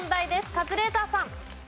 カズレーザーさん。